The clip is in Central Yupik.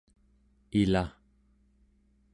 ila